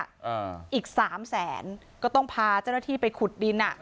อ่าอีกสามแสนก็ต้องพาเจ้าหน้าที่ไปขุดดินอ่ะ